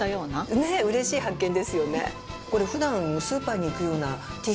ねえ嬉しい発見ですよね。